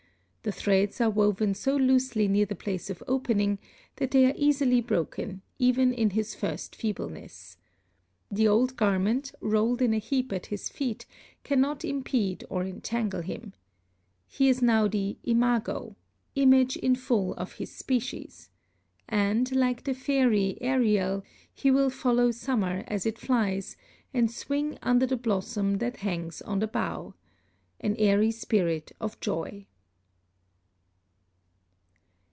The threads are woven so loosely near the place of opening that they are easily broken, even in his first feebleness. The old garment, rolled in a heap at his feet, cannot impede or entangle him. He is now the imago "image in full of his species," and, like the fairy, Ariel, he will follow summer as it flies, and swing "under the blossom that hangs on the bough" an airy spirit of joy!